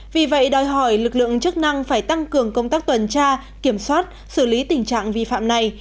vì vậy đòi hỏi lực lượng chức năng phải tăng cường công tác tuần tra kiểm soát xử lý tình trạng vi phạm này